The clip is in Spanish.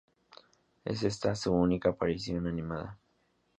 Es esta su única aparición animada.